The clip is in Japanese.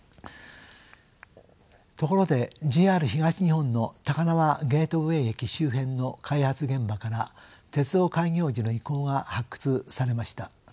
ところでＪＲ東日本の高輪ゲートウェイ駅周辺の開発現場から鉄道開業時の遺構が発掘されました。